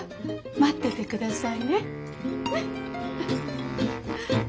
待ってて下さいね。